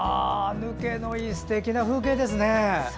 抜けのいいすてきな風景ですね。